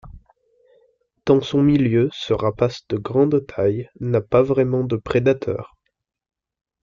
Dans son milieu ce rapace de grande taille n'a pas vraiment de prédateurs.